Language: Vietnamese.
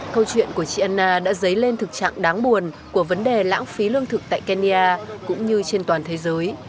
câu chuyện của chị anna đã dấy lên thực trạng đáng buồn của vấn đề lãng phí lương thực tại kenya cũng như trên toàn thế giới